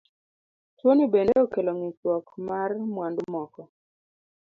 Tuoni bende okelo ng'ikruok mar mwandu moko.